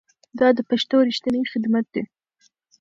دا د پښتو ریښتینی خدمت دی.